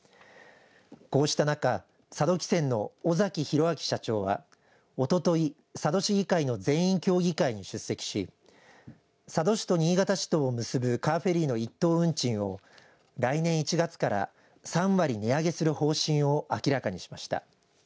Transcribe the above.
こうした中佐渡汽船の尾崎弘明社長はおととい、佐渡市議会の全員協議会に出席し佐渡市と新潟市とを結ぶカーフェリーの１等運賃を来年１月から３割値上げする方針を明らかにしました。